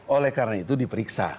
oleh karena itu diperiksa